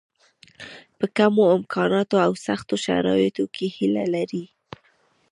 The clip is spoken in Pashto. په کمو امکاناتو او سختو شرایطو کې هیله لري.